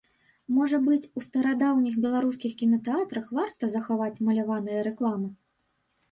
Можа быць, у старадаўніх беларускіх кінатэатрах варта захаваць маляваныя рэкламы?